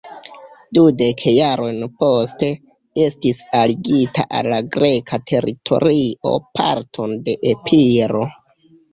Dudek jarojn poste, estis aligita al la greka teritorio parton de Epiro.